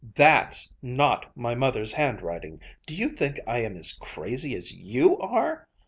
"That's not my mother's handwriting! Do you think I am as crazy as you are!"